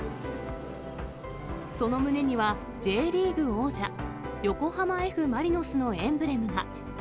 その胸には、Ｊリーグ王者、横浜Ｆ・マリノスのエンブレムが。